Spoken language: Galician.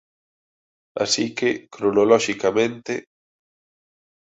Así que, cronoloxicamente